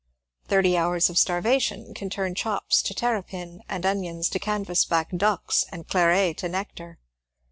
Thirty hours of starvation can turn chops to terrapin and onions to canvas back ducks and claret to nectar.